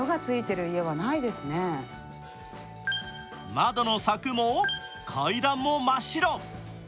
窓の柵も階段も真っ白。